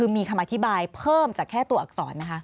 มีคำอธิบายเพิ่มจากแค่ตัวอักษรไหมคะ